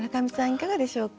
いかがでしょうか？